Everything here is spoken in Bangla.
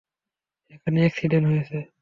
এখানে এক্সিডেন্ট হয়েছে।